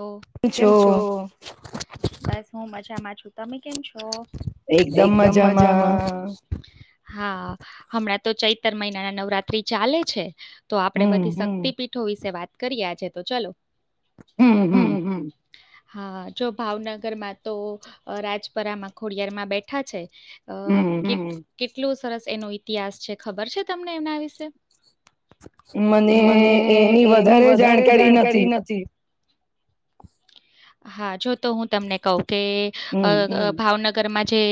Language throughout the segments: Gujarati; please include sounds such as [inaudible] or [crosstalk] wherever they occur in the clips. હો કેમ છો? બસ હું મજામાં છું, તમે કેમ છો? એકદમ મજામાં. હા હમણાં તો ચૈતર મહિના ના નવરાત્રી ચાલે છે. તો આપડે બધી શક્તિ બી યો વિશે વાત કરીએ આજે, તો ચલો. હમ્મ-હમ્મ. હા જો ભાવનગર માં તો અહ રાજપરામાં ખોડિયાર માં બેઠા છે અહ કેટ કેટલું સ સરસ એનો ઇતિહાસ છે ખબર છે તમને એમના વિશે મને એની વધારે જાણકારી નથી હા જો તો હું તમને કઉ તે અ ભાવનગર મા જે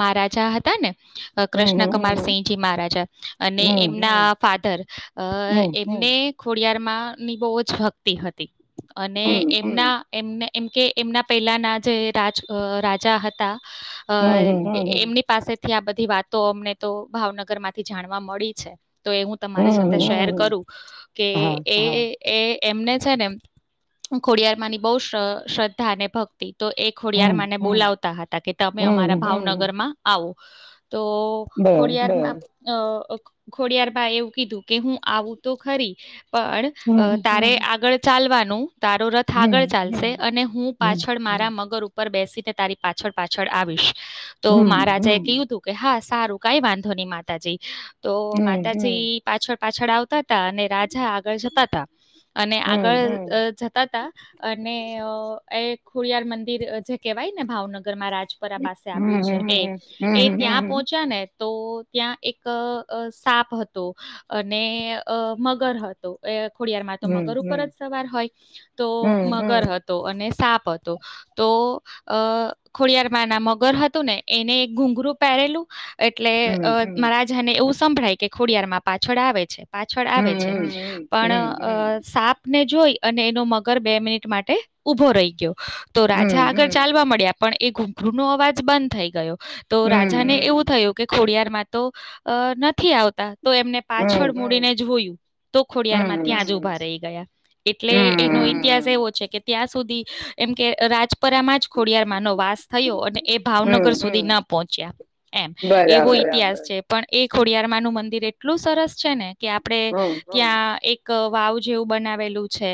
મહારાજા હતા ને કૃષ્ણકુમારસિંહજી મહારાજ અને એમના ફા તર અ એમને ખોડિયારમાં ની બહુ જ ભક્તિ હતી અને એમના એમને એમ કે એમના પહેલાના જે રાજ રાજા હતા અ એમની પાસેથી આ બધી વાતો અમને, તો ભાવનગર માંથી જાણવા મળી છે. તો એ હું તમારી સાથે શેર કરું કે એ એ એમને છે ને, ખોડિયાર મા ની બહુ શ શ્રદ્ધાને ભક્તિ તો એ ખોડિયાર મને બોલાવતા હતા, કે તમે અમારા ભાવનગર માં આવો. તો ખોડિયારમાં અ ખોડિયારભાઈ એવું કીધું હું આવું તો ખરી. પણ તારે આગળ ચાલવાનું. તારો રથ આગળ ચાલશે અને હું, પાછળ મારા મગર ઉપર ઉપર બેસીને તારી પાછળ પાછળ આવીશ. તો મહારાજા, એ કયું હતું. હા સારું કઈ વાંધો નહી માતાજી તો માતા પાછળ પાછળ આવ હતા અને રાજા આગળ જતા હતા. કત્તા અને આગળ જતા અને એક ખોડિયાર મંદિર જે, કહેવાય ને ભાવનગર માં રાજપરા પાસે આવ્યું છે, એ એ ત્યાં પહોચ્યા ને તો ત્યાં એક સાપ હતો, અને અ મગર હતો ખોડયારરમાં તો મગર ઉપર જ સવાર. હોય. તો મગરત અને સાપ હતો તો અ ખોડિયારમાં ના મગર હતું. ને એને એક ઘૂઘરું પહેરેલું એટલે અ મારા જેને એવું સંભળાય કે ખોડિયારમાં પાછળ આવે છે. પાછળ આવે છે, પણ અ સાપ આપને જોઈ અને, એનો મગર બે મિનિટ માટે ઉભો રહી ગયો. તો રાજા આગળ ચાલવા મળ્યા પણ એ ઘૂંઘરુનો અવાજ બંધ થઈ ગયો. તો રાજા ને એવું થયું કે ખોડિયારમાં તો અ નથી આવતા તો એમને પાછળ મૂડીને જોયું તો ખોડિયાર માં ત્યાં જ ઉભા રહી ગયા એટલે એનો ઇતિહાસ એવો છે કે ત્યાં સુધી એમ કે રાજ પરામાં જ ખોડિયારમાં નો વાસ થયો અને એ ભાવનગર સુધી ના પહોંચ્યા એમ એવો ઈતિહાસ છે. પણ એ ખોડિયારમા નું મંદિર એટલું સરસ છે ને. કે આપણે ત્યાં એક. વાવ જેવું બનાવેલું. છે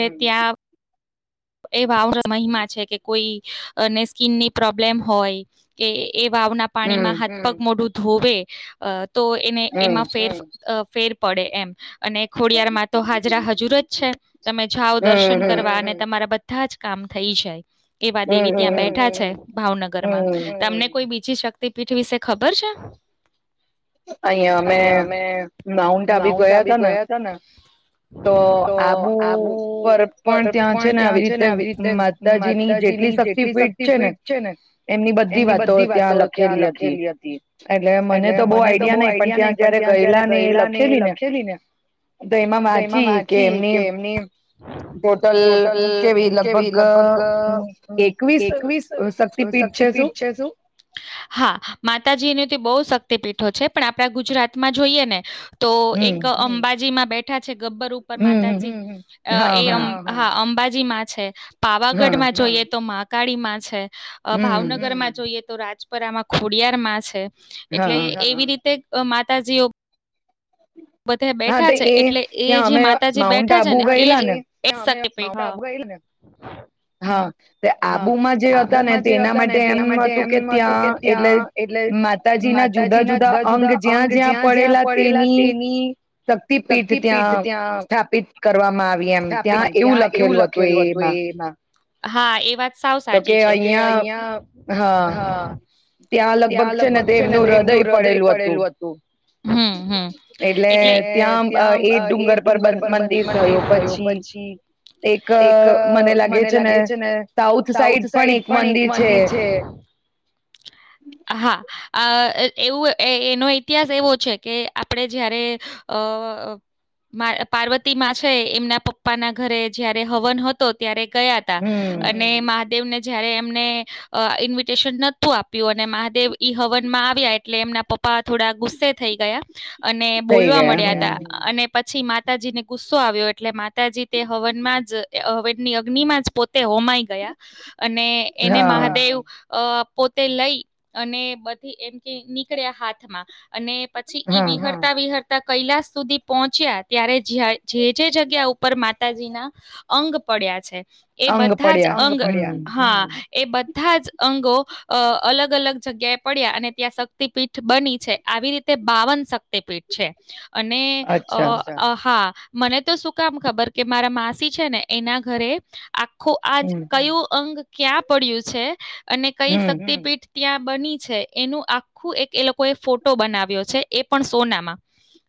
અ. ત્યાં. એ વાવ મહિમા છે કે કોઈને સ્કીિનની પ્રોબ્લેમ હોય કે. એ વાવના પાણીમાં હાથ પગ મોઢું ધોવે અ તો એને એમાં ફેર અ ફેર પડે એમ અને ખોડિયાર માં તો હાજરા હજુર જ છે તમે જાઓ દર્શન કરવા અને તમારા બધા જ કામ થઈ જાય એવા દેવી ત્યાં બેઠા છે ભાવનગરમાં તમને કોઈ બીજ પછી શક્તિપીઠ વિશે ખબર છે અહિયાં અમે માઉન્ટ આબી ગયા હતા ને તો આબુ ઉપર પણ ત્યાં છે ને ત્યાં છે ને આવી રીતે માતાજીની જેટલી શક્તિપીઠ છે, ને એમની બધી વાતો ત્યાં લખેલી હતી એટલે ને મને તો બહુ આઈડિયા નહિ પણ ત્યાં જયારે ગયેલા ને એ લખેલી ને તો એમાં વાંચી કે એમની ટોટલ કેવી લગભગ એકવીસ શક્તિપીઠ છે, શું હા, માતાજીની તે બવ શક તે તો છે પણ આપણા ગુજરાતમાં જોઈએ ને તો એક અંબાજીમાં બેઠ છે ગબ્બર ઉપર માતાજી અ એ અમ હા અમ અંબાજીમાં છે પાવાગઢમાં જોઈએ તો મા ગાડીમાં છે અ ભાવનગર માં જોઈએ તો રાજપરામાં ખોડિયાર માં છે એટલે એવી રીતે અ માતાજીઓ બધે બેઠા છે એટલે એ જે માતાજી બેઠા છે ને એ હા, હા હા, તે આબુમાં જે હતા ને તેના માટે એમ હતું કે ત્યાં એટલે માતાજીના જુદા જુદા અંગ જ્યાં જ્યાં પડેલા તેની શક્તિપીઠ ત્યાં સ્થાપિત કરવામાં આવી એમ ત્યાં એવું લખેલું હતું એમાં હા, એ વાત સાવ સાચી છે કે અહં હા ત્યાં લગભગ છે ને તેમનું હૃદય પડેલું હતું એટલે ત્યાં એ ડુંગર પર મંદિર પછી એક મને લાગ મને લાગે છે ને સાઉથ સાઈડ પણ એક મંદિર છે હા આ એવું એનો ઇતિહાસ એવો છે કે આપણે જયારે અ પાર્વતી મા છે એમના પપ્પાના ઘરે જયારે હવન હતો ત્યારે ગયા હતા અને મહાદેવ ને જયારે એમને ઇન્વિટેશન નથુ આપ્યું અને મહાદેવ ઈ હવન માં આવ્યા એટલે એમના પપ્પા થોડા ગુસ્સે થઈ ગયા અને બોલવા મળ્યા હતા અને પ પછી માતાજી ને કુ ગુસ્સો આવ્યો એટલે માતાજી તે હવનમાં જ હવનની અગ્નિમાં જ પોતે હોમાય ગયા અને એને મહાદેવ અ પોતે લઈ અને બધી એમ કે નીકળ્યા હાથમાં અને પછી ઈ વિહરતા વિહ કૈલાસ સુધી પહોંચ્યા ત્યારે જીહાય જે જે જગ્યા ઉપર માત તાજી ના અંગ પડ્યા છે. એ બધા જ અંગ હા. એ બધા જ અંગો અ અલગ અલગ જગ્યાએ પડ્યા અને ત્યાં શક્તિપીઠ બની છે, આવી રીતે બાવન શક્તિપીઠ છે. અને અ હા. મને તો શું કામ ખબર કે મારા માસી છે ને એના ઘરે આખું આજ કયું અંગ ક્યાં પડ્યું છે. અને કઈ શક્તિપીઠ ત્યાં બની છે એનું આખું એક એ લોકોએ ફોટો બનાવ્યો છે, એ પણ સોનામાં.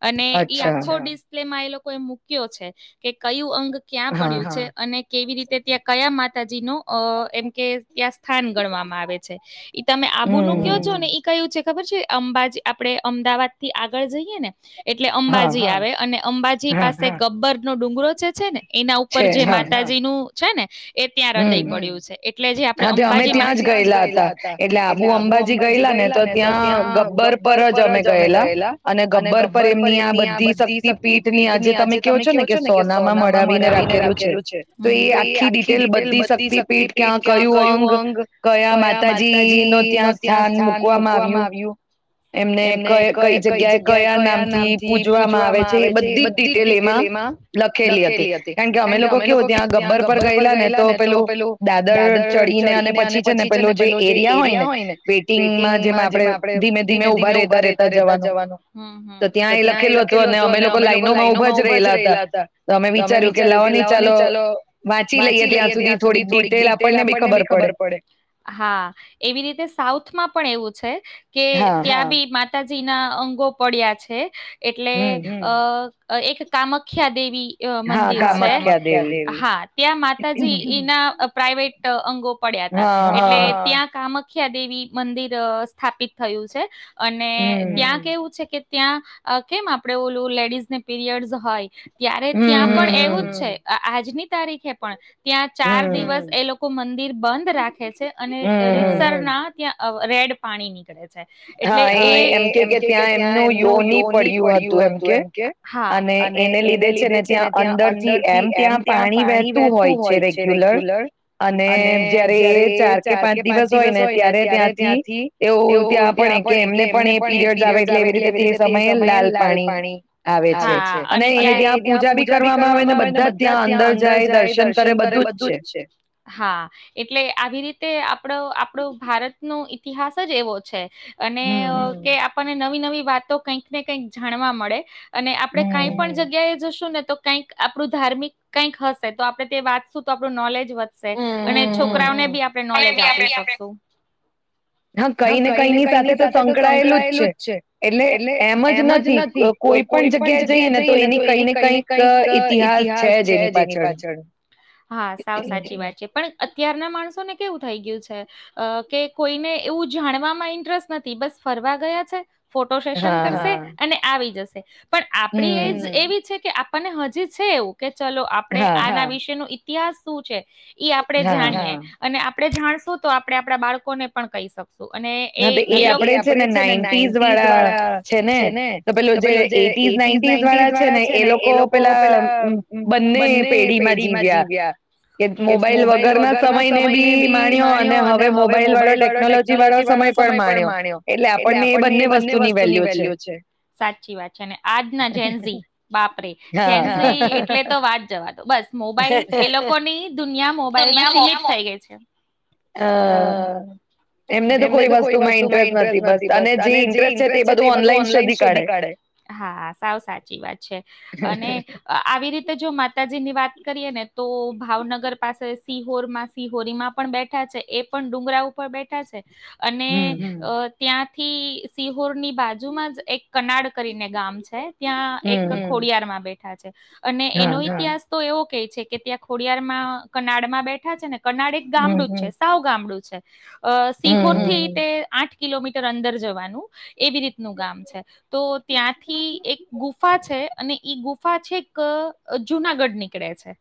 અને ઈ આખો ડિસ્પ્લે માં એ લોક કોઈ મુ ક્યો છે કે કયું અંગ ક્યાં પડ્યું છે અને કેવી રીતે ત્યાં કયા મા તાજી નો અ એમ કે ત્યાં સ્થાન ગણવામાં આવે છે ઈ તમે આબુ નું ક્યો છો ને ઈ કયું છે ખબર છે અંબાજી આપડે અમદાવાદ થી આગળ જઈએ ને એટલે અંબાજી આવે અને અંબાજી ગબ્બર નો ડુંગરો છે છે ને એના ઉપર જે માતાજી નું છે ને એ ત્યાં હૃદય મળ્યું છે એટલે જે આપડે જે અંબાજી માં ની આજે તમે ક્યો છો ને કે સોના માં મડાવીને રાખેલું છે તો એ આ [unintelligible] [unintelligible] લ બધી શક્તિપીઠ ક્યાં કયું અંગ કયા માતાજી નો ત્યાં સ્થાન મૂકવામાં આવ્યું એમને ક કઈ જગ્યાએ કયા નામથી પૂજવામાં આવે છે એ બધી જ ડી ટેલ એમાં લખેલી હતી કારણ કે અમે લોકો કેવું ત્યા ગબ્બર પર ગયેલા ને તો પેલું દાદર ચડીને અને પછી છે ને પેલો જે એરિયા હોય ને, વેઇટિંગમાં જેમાં આપણે ધીમે ધીમે ઉભા રેતા રેતા જવાનું, તો ત્યાં એ લખેલું હતું અને અમે લોકો લાઈ નોમાં ઉભા જ રહેલા હતા, તો અમે વિચાર્યું કે લાવોને ચાલો વાંચી લઈએ હા એવી રીતે સાઉથમાં પણ એવું છે કે ત્યાં બી માં માતાજી ના અંગો પડ્યા છે એટલે અ અ એક કામખ્યા દેવી એવા મંદિર છે હા ત્યાં માતાજીઈ ના પ્રાાઈવેટ અંગો પડ્યા હતા એટલે ત્યાં કામક ખ્યા દેવી મંદિર અ સ્થાપિત થયું છે. અને ત્યાં કેવું છે કે ત્યાં અ કેમ આપડે ઓલું લેડીઝ ને પીરિયડસ હોય ત્યારે ત્યાં પણ એવુ જ છે. આજની તારીખે પણ ત્યાં ચાર દિવસ એ લોક કો મંદિર બંધ રાખે છે અને રિકસર ના ત્યાં રેડ પાણી નીકળે. એટલે એમ કે ત્યાં એમનું યોની પડય્યું હતું એમ કે? અને એને લીધે છે ને ત્યાં અંદર થી એમ ત્યાં પાણી વહેતું હોય છે રેગ્યુલર અને જયારે એ ચાર કે પાંચ દિવસ હોય ને ત્યારે ત્યાંથી એવું ત્યાં પણ કે એમને પણ એ પીરિયડ આવે એટલે એવી રીતે તે સમયે લાલ પાણી આવે છે. હ ત્યાં પૂજા બી કરવામાં આવે બધા જ ત્યાં અંદર જાય દર્શન કરે બધું જ છેહા એટલે આવી રીતે આપડો આપણો ભારતનો ઈતિહાસ જ એવો છે. અને કે. ને નવી નવી વાતો કંઈક ને કઈક જાણવા મળે. અને આપડે કઈ પણ જગ્યાએ જશું. તો કઈ આપણું ધાર્મિક કઈક હશે તો આપણે તે વાંચશું તો આપણું નોલેજ. વધશે અને છોકરાઓને બી આપણે નોલેજ આપી શકશું. હા કઈ ને કઈની સાથે તો સંકળાયેલું જ છે એટલે એમ જ નથી કોઈ. કોઈ પણ જગ્યાએ જઈએ ને તો એની કઈ ને કઈક ઈતિહાસ છે જ એની પાછળ હા સાવ સાચી વાત છે પણ. પણ અત્યારના માણસોને કેવું થઈ ગયું છે કે અ કોઈને એવું જાણવામાં ઇન્ટરેસ્ટ નથી બસ ફરવા ગયા છે. ફોટો સેશન કરશે અને. આવી જશે. પણ આપણી એજ એવી છે કે. અને હજી છે એવું. કે ચલો આપડે આના વિશે ઇતિહાસ શું છે. ઈ આપડે જાણીએ અને. આપણે જાણશું તો આપણે આપણા બાળકોને પણ કહી શકું. અને એ આપણેે છે ને નાઈન્ટીસ વાળા છે ને તો પેલ જે. નાન્ટી વાળા છે ને એ લોકો પેલા બંને પેઢી માં જીવ્યા કે મોબાઈલ વગર ના સમય ને બી માણ્યો અને હવે મોબાઈલ વાળો ટેકનોલોજી વાળો. વાો સમય પણ માણ્યો એટલે આપણને એ બંને વસ્તુ ની વેલ્યુ છે સાચી વાત છે ને. આજ ના જેન્સી બાપરે જેન્સી એટલે તો વા જ જવા દ બસ મોબાઈલ એ લોકોની દુનિયા મોબાઈલ માં સિલપ થઈ ગઈ છે. હ. એમને તો કોઈ વસ્તુમાં ઇન્ટરેસ્ટ નથી બસ અને જે ઇન્ટરેસ્ટ છે તે બધું ઓનલાઈન શોધી કાઢે. હા સાવ સાચી વાત છે અને આવી રીતે જો માતા. ની વાત કરીએ ને તો ભાવનગર પાસે સિહોર માં સિહોરી માં પણ બેઠા છે એ પણ ડુંગરા ઉપર બેઠા છે. અને અ. ત્યાંથી સિહોર ની બાજુ માં જ એક કનાડ કરીને. ગામ છે. ત્યાં એક ખોડિયાર માં બેઠ. ઠા છે. અને એનો ઇતિહાસ તો એવો. ક છે કે ત્યાં ખોડિયારમાં કનાડમાં બેઠા છે ને. કર્નાડ એક ગામડું છે સાવ. ગામડું છે. અ સિહોર થી તે આઠ. કિલોમીટર અંદર જવાનું એવી રીતનું ગામ છે તો. ત્યાંથી એક ગુફા છે અને ઈ ગુફા છે એક જુનાગઢ નીકળે છે.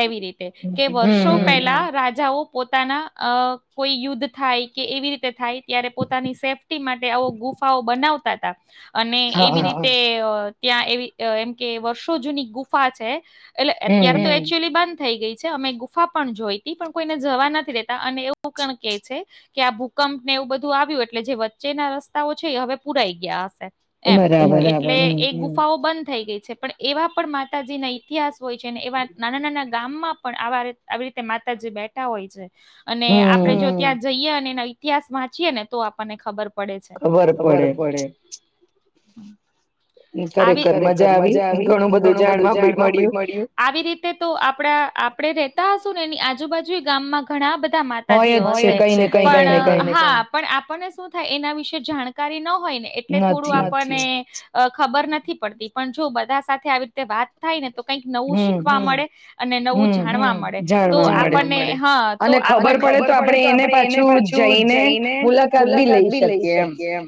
એવી રીતે કે વર્ષો પહેલા રાજાઓ. પોતાના અ કોઈ યુદ્ધ થાય કે એવી રીતે થાય ત્યારે પોતાની સેફ્ટી માટે આવો ગુફાઓ બનાવતા હતા અને. એવી રીતે. ત્યાં એવી એમ કે વર્ષો જૂની ગુફા છે. એટલે અત્યાર તો એકચુઅલી બંધ. થઈ ગઈ છે અમે ગુફા પણ જોઈતી પણ કોઈને જવા નથી રેતા અને એવું પણ કે છે કે આ ભૂકંપ ને એવું બધું આવ્યું એટલે જે વચ્ચેના રસ્તાઓ છે એ હવે પુરાઈ ગયા હશે. એમ એટલે એ ગુફાઓ બંધ. થઈ ગઈ છે પણ એવા પણ માતાજીના ઇતિહાસ. હોય છે ને એવા નાના નાના. ગામમાં પણ આવા આવી રીતે માતા જે બેઠા હોય છે. અને આપડે જો ત્યાં જઈએ. ઇતિહાસ વાંચીયે ને તો આપણને ખબર પડે છે ખબર પડે. આવી ખરેખર મજા આવી ઘણું બધું જાણવા મળ્યું આવી રીતે તો આપડા. આપણે રહેતા હશું ને એની આજુબાજુએ ગામમાં ઘણા બધા. માતાજી હોય. કય ને કય પણ આપણને શું થાય એના વિશે જાણકારી ન. હોય ને એટલે થોડું. ખબર નથી પડતી. પણ જો બધા સાથે આવી રીતે વાત થાય ને. તો કઈક નવું શીખવા મળે, અને નવું જાણવા મળે તો આપણને હા તો આપને ખબર પડે તો આપણે એને પાછું જઈને મુલાકાત બી લઈ શકીએ એમ,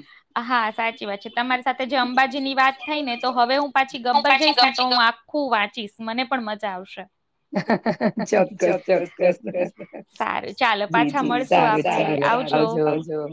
હા સાચી વાત છે. મારી સાથે અંબાજી ની વાત થઈ ને તો હવે હું પાછી ગબ્બર જઈશને તો હું હું વાંચીશ મને પણ મજા આવશે. ચોક્કસ ચોક્કસ સારું ચાલો પાછા મળશુ આપે આવજો.